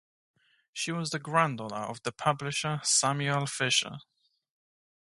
She was the granddaughter of the publisher Samuel Fischer.